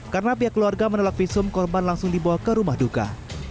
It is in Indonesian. karena pihak keluarga menolak visum korban langsung dibawa ke rumah duka